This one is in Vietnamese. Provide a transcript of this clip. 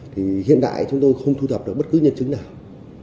thì hiện tại chúng tôi không thu thập được bất cứ nhân chứng nào